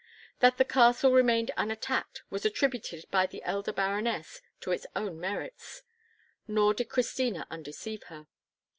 That the castle remained unattacked was attributed by the elder Baroness to its own merits; nor did Christina undeceive her.